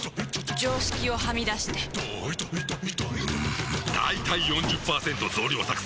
常識をはみ出してんだいたい ４０％ 増量作戦！